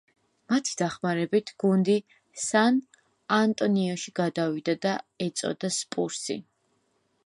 მათი დახმარებით გუნდი სან-ანტონიოში გადავიდა და ეწოდა სპურსი.